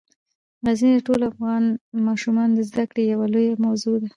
غزني د ټولو افغان ماشومانو د زده کړې یوه لویه موضوع ده.